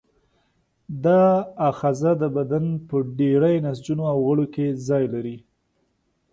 دا آخذه د بدن په ډېری نسجونو او غړو کې ځای لري.